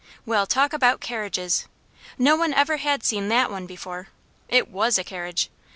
Well, talk about carriages! No one ever had seen THAT one before. It WAS a carriage.